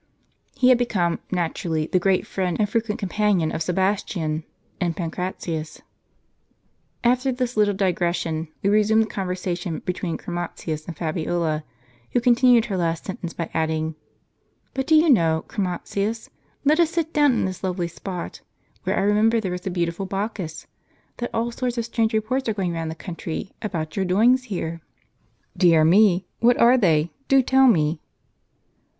He had become, naturally, the great friend and frequent companion of Sebastian and Pan cratius. After this little digression, we resume the conversation between Chromatins and Fabiola, who continued her last sen tence by adding : "But do you know. Chromatins — let us sit down in this lovely spot, where I remember there was a beautiful Bacchus — that all sorts of strange reports are going round the coun try, about your doings here? "" Dear me ! What are they ? Do tell me."